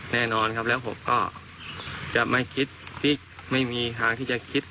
แน่นอนครับแล้วผมก็จะไม่คิดที่ไม่มีทางที่จะคิด